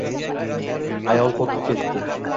Ayol qo‘rqib ketdi.